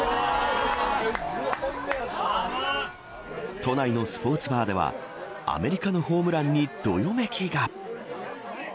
都内のスポーツバーではアメリカのホームランにどよめきが。